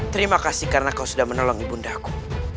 terima kasih karena kau sudah menolong ibundaku